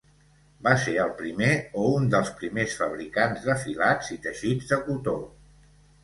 Va ser el primer o un dels primers fabricants de filats i teixits de cotó.